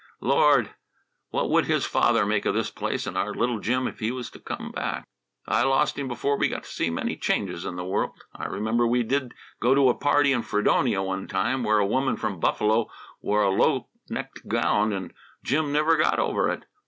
Lord, what would his father make of this place and our little Jim, if he was to come back? "I lost him before he got to see many changes in the world. I remember we did go to a party in Fredonia one time, where a woman from Buffalo wore a low necked gown, and Jim never got over it.